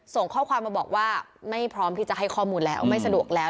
ส่งข้อความมาบอกว่าไม่พร้อมที่จะให้ข้อมูลแล้วไม่สะดวกแล้ว